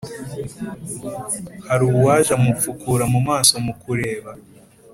hari uwaje amupfukura mumaso mukureba